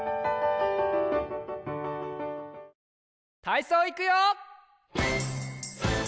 たいそういくよ！